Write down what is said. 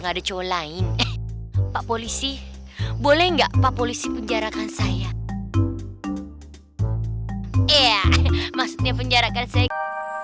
pacu lain pak polisi boleh enggak pak polisi penjarakan saya ya maksudnya penjarakan saya